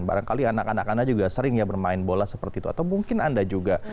barangkali anak anak anda juga sering ya bermain bola seperti itu atau mungkin anda juga